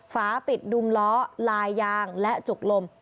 ฝาปิดดุมล้อลายยางและจุกลม